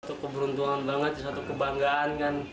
satu keberuntungan banget satu kebanggaan kan